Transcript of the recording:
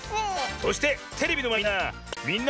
そしてテレビのまえのみんな！